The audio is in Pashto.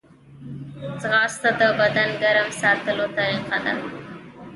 ځغاسته د بدن ګرم ساتلو طریقه ده